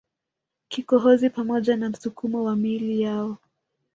kikohozi pamoja na msukumo wa miili yao